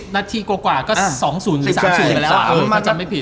๑๐นาทีกว่ากว่าก็๒๐หรือ๓๐ไปแล้วอะถ้าจำไม่ผิด